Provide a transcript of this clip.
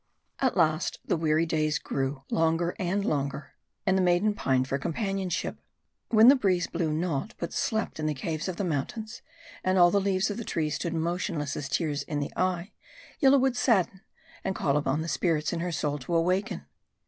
At last the weary days grew longer and longer, and the maiden pined for companionship. When the breeze blew not, but slept in the caves of the mountains, and all the leaves of the trees stood motionless as tears in the eye, Yil lah would sadden, and call upon the spirits in her soul to awaken.